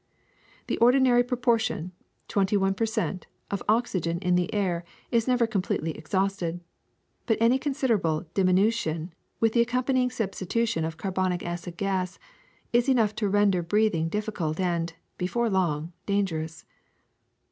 The ordinary propor tion, twenty one per cent, of oxygen in the air is never completely exhausted; but any considerable diminution, with the accompanying substitution of carbonic acid gas, is enough to render breathing diffi cult and, before long, dangerous.